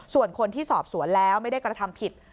ส่วนคนที่สอบสวนแล้วไม่ได้กระทำผิด